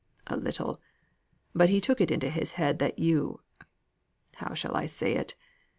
"A little; but he took it into his head that you how shall I say it?